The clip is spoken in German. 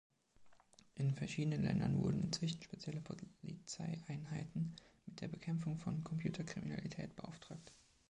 In verschiedenen Ländern wurden inzwischen spezielle Polizeieinheiten mit der Bekämpfung von Computerkriminalität beauftragt.